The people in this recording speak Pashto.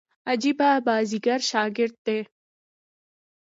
عجبه بازيګر شاګرد دئ.